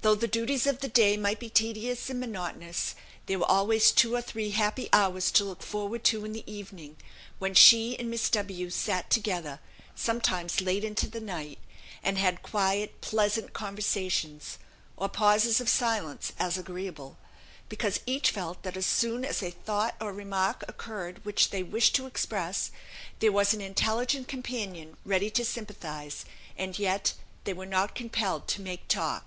Though the duties of the day might be tedious and monotonous, there were always two or three happy hours to look forward to in the evening, when she and Miss W sat together sometimes late into the night and had quiet pleasant conversations, or pauses of silence as agreeable, because each felt that as soon as a thought or remark occurred which they wished to express, there was an intelligent companion ready to sympathise, and yet they were not compelled to "make talk."